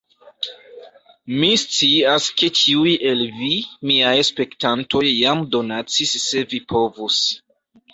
Mi scias ke ĉiuj el vi, miaj spektantoj jam donacis se vi povus